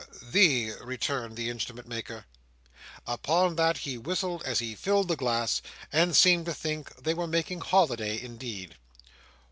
"The," returned the Instrument maker. Upon that he whistled as he filled his glass, and seemed to think they were making holiday indeed.